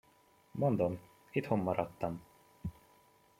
Mondom, itthon maradtam.